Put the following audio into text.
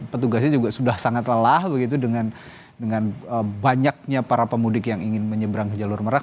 petugasnya juga sudah sangat lelah begitu dengan banyaknya para pemudik yang ingin menyeberang ke jalur merak